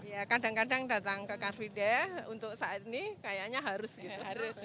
ya kadang kadang datang ke car free day untuk saat ini kayaknya harus gitu